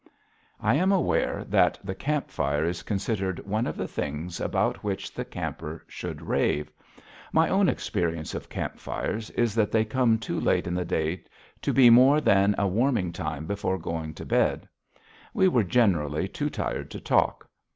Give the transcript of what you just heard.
I am aware that the camp fire is considered one of the things about which the camper should rave. My own experience of camp fires is that they come too late in the day to be more than a warming time before going to bed. We were generally too tired to talk.